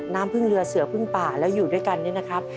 น้ำพึ่งเรือเสือพึ่งป่าแล้วอยู่ด้วยกันเนี่ยนะครับ